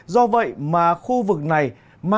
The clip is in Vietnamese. do vậy mà khu vực này mang